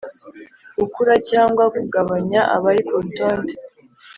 gukura cyangwa kugabanya abari ku rutonde